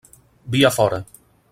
Via Fora!!